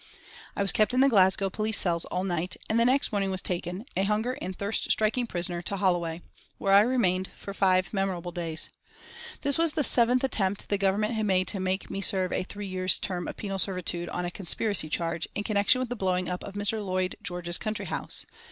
I was kept in the Glasgow police cells all night, and the next morning was taken, a hunger and thirst striking prisoner, to Holloway, where I remained for five memorable days. This was the seventh attempt the Government had made to make me serve a three years' term of penal servitude on a conspiracy charge, in connection with the blowing up of Mr. Lloyd George's country house.